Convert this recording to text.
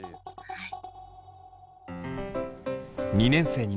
はい。